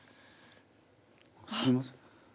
すいません。